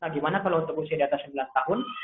nah gimana kalau untuk usia di atas sembilan tahun